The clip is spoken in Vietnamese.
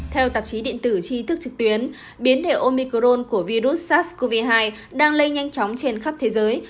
theo tạp chí điện tử tri thức trực tuyến biến hiệu omicron của virus sars cov hai đang lây nhanh chóng trên khắp thế giới